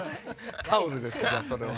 タオルですそれは。